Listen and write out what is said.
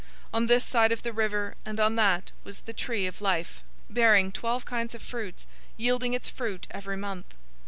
On this side of the river and on that was the tree of life, bearing twelve kinds of fruits, yielding its fruit every month.